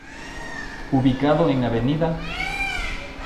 Ubicado en Av.